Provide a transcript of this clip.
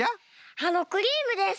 あのクリームです。